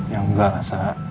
ya nggak lah sa